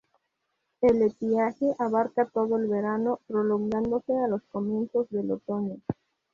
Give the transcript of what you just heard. El estiaje abarca todo el verano, prolongándose a los comienzos del otoño.